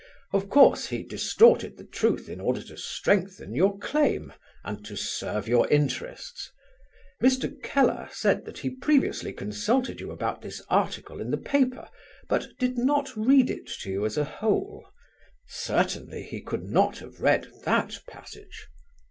Of course he distorted the truth in order to strengthen your claim, and to serve your interests. Mr. Keller said that he previously consulted you about his article in the paper, but did not read it to you as a whole. Certainly he could not have read that passage..."